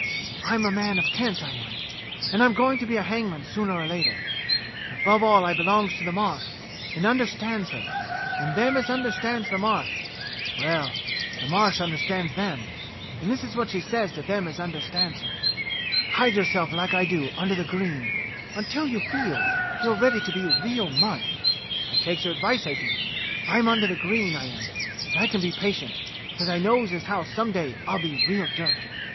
I'm a man of Kent, I am, and I'm going to be a hangman sooner or later, but above all I belongs to the Marsh and under stands her, and them as understands the Marsh — well, the Marsh understands them, and this is what she says to them as understands her :* Hide yourself like I do under the green, until you feels you're ready to be real mud.' I takes her advice, I do; I'm under the green, I am, but I can be patient, because I knows as how some day I'll be real dirt.